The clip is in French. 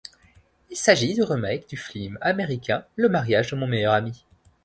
Il s'agit du remake du film américain Le Mariage de mon meilleur ami.